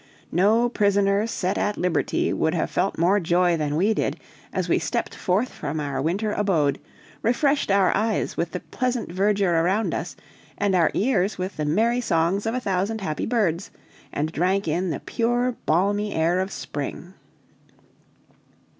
No prisoners set at liberty could have felt more joy than we did as we stepped forth from our winter abode, refreshed our eyes with the pleasant verdure around us, and our ears with the merry songs of a thousand happy birds, and drank in the pure, balmy air of spring.